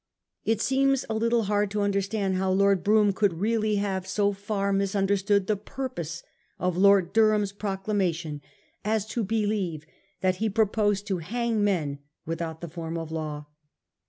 It seems a little hard to understand how Lord Brougham could really have so far mis understood the purpose of Lord Durham's proclama tion as to believe that he proposed to hang men without the form of law.